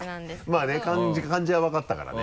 まぁね感じは分かったからね。